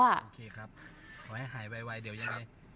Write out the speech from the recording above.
โอเคครับขอให้หายไวเดี๋ยวยังไง